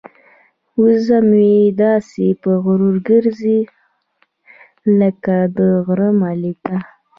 وزه مې داسې په غرور ګرځي لکه د غره ملکه.